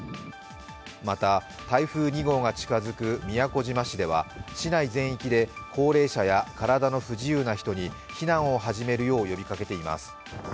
また、台風２号が近づく宮古島市では市内全域で高齢者や体の不自由な人に避難を始めるよう呼びかけています。